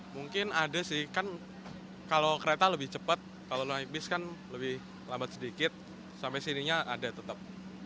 mungkin ada sih kan kalau kereta lebih cepat kalau naik bis kan lebih lambat sedikit sampai sininya ada tetap